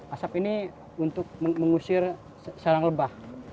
asap ini untuk mengusir sarang lebah